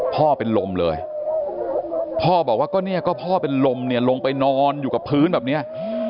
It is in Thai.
พ่อเป็นลมเลยพ่อบอกว่าก็เนี่ยก็พ่อเป็นลมเนี่ยลงไปนอนอยู่กับพื้นแบบเนี้ย